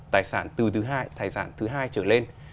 tài sản từ thứ hai tài sản thứ hai trở lên